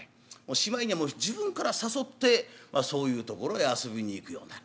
しまいには自分から誘ってそういうところへ遊びに行くようになる。